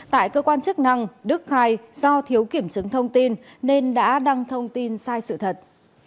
tại cơ quan chức năng đức khai do thiếu kiểm chứng thông tin nên đã đăng thông tin sai sự thật